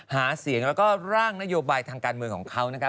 หาเสียงแล้วก็ร่างนโยบายทางการเมืองของเขานะครับ